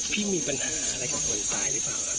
พี่มีปัญหาอะไรกับคนซ้ายหรือเปล่าครับตอนนี้